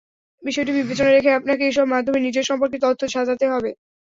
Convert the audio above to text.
বিষয়টি বিবেচনায় রেখে আপনাকে এসব মাধ্যমে নিজের সম্পর্কে তথ্য সাজাতে হবে।